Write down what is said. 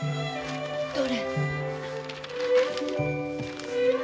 どれ。